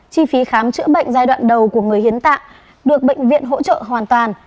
chi phí khám chữa bệnh giai đoạn đầu của người hiến tạng được bệnh viện hỗ trợ hoàn toàn